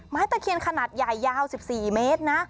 ตะเคียนขนาดใหญ่ยาว๑๔เมตรนะ